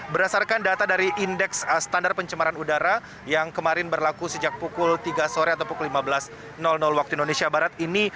berdasarkan data dari indeks standar pencemaran udara yang kemarin berlaku sejak pukul tiga sore atau pukul lima belas waktu indonesia barat ini